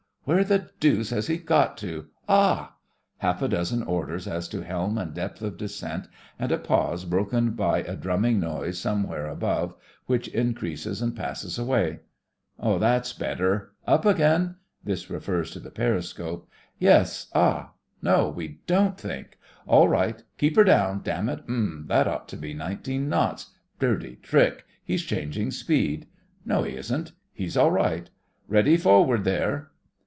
Where the deuce has he got to — Ah ! (Half a dozen orders as to helm and depth of descent, and a pause broken by a drumming noise somewhere above, which increases and passes away.) That's better! Up again! (This refers to the peri scope.) Yes. Ah! No, we donH think! All right! Keep her down, damn it! Umm! That ought to be nineteen knots. ... Dirty trick! 68 THE FRINGES OF THE FLEET He's changing speed. No, he isn't. He's all right. Ready forward there!